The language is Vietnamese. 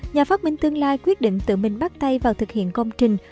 nhà phát minh tương lai quyết định tự mình bắt tay vào thực hiện công trình